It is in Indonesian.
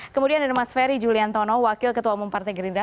kemudian ada mas ferry juliantono wakil ketua umum partai gerindra